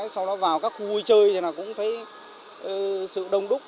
sau đó vào các khu vui chơi thì là cũng thấy sự đông đúc